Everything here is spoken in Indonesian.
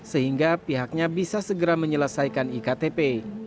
sehingga pihaknya bisa segera menyelesaikan iktp